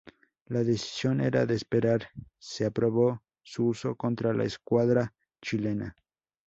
La decisión era de esperar: se aprobó su uso contra la escuadra chilena.